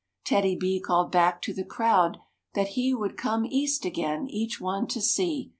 TEDDY B called back to the crowd that he Would come East again each one to see.